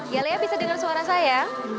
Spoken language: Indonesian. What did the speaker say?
ya lea bisa dengar suara saya